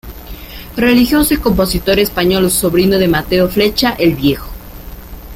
Religioso y compositor español sobrino de Mateo Flecha "El Viejo".